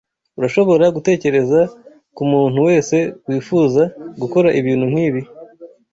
Urashobora gutekereza kumuntu wese wifuza gukora ibintu nkibi?